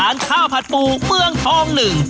ร้านข้าวผัดปูเมืองทอง๑